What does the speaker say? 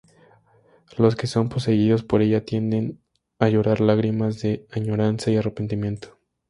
Los que son poseídos por ella tienden a llorar lágrimas de añoranza y arrepentimiento.